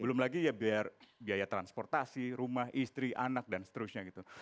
belum lagi ya biaya transportasi rumah istri anak dan seterusnya gitu